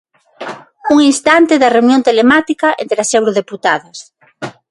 Un instante da reunión telemática entre as eurodeputadas.